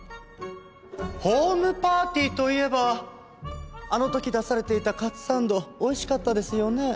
ホームパーティーといえばあの時出されていたカツサンドおいしかったですよね。